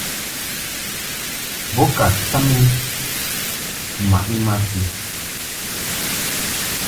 Bo ka tam I mmaʼ I masi.